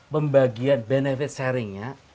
membagian benefit sharingnya